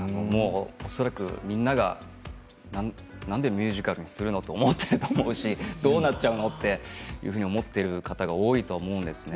恐らくみんながなんでミュージカルにするの？と思っている人も多いしどうなっちゃうの？っていうふうに思っている方が多いと思うんですね。